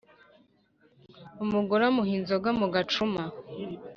Umugore amuha inzoga mu gacuma